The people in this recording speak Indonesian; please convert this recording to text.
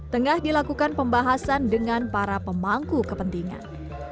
tengah dilakukan pembahasan dengan para pemangku kepentingan